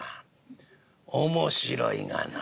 面白いがな。